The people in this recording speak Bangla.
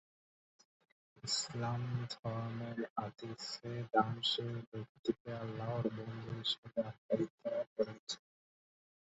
ইসলাম ধর্মের হাদীসে দানশীল ব্যক্তিকে আল্লাহর বন্ধু হিসেবে আখ্যায়িত করেছে।